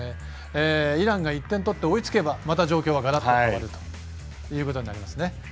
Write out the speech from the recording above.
イランが１点を取って追いつけばまた状況はガラッと変わるということになります。